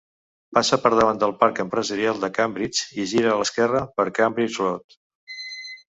Passa per davant del parc empresarial de Cambridge i gira a l'esquerra per Cambridge Road.